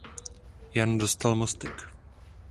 Jan dostal Mostek.